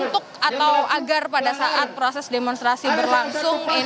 jadi agar pada saat proses demonstrasi berlangsung